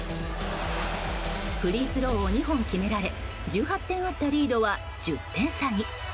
フリースローを２本決められ１８点あったリードは１０点差に。